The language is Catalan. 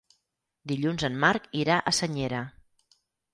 Dilluns en Marc irà a Senyera.